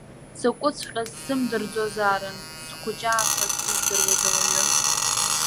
Дзакәыҵәҟьаз сзымдырӡозаарын, схәыҷаахыс издыруаз ауаҩы.